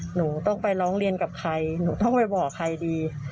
หนูต้องไปร้องเรียนกับใครหนูต้องไปบอกใครดี